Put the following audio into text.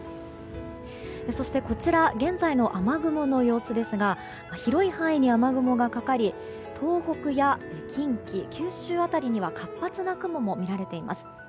そしてこちら現在の雨雲の様子ですが広い範囲に雨雲がかかり東北や近畿、九州辺りには活発な雲も見られています。